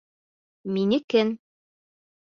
Минекен!